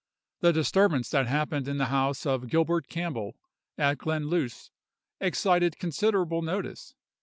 The disturbance that happened in the house of Gilbert Cambell, at Glenluce, excited considerable notice.